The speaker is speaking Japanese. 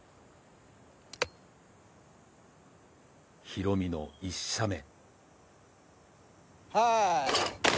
ヒロミの１射目。